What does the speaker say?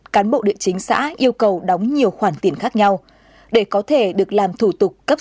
cán bộ địa chính xã yêu cầu đóng nhiều khoản tiền khác nhau để có thể được làm thủ tục cấp